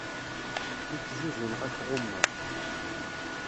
Mi k-zuzuneɣ ad k-ɣummeɣ.